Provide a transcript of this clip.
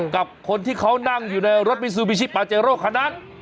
กับคนที่เขานั่งอยู่ในรถมิซูบิชิปาเจโร่คันนั้น